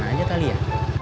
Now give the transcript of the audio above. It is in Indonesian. tahan ahan aja tali ya